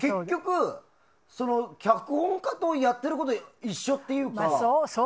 脚本家とやってること一緒っていうか。